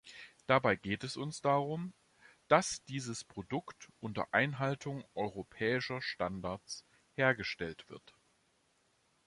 Dabei geht es uns darum, dass dieses Produkt unter Einhaltung europäischer Standards hergestellt wird.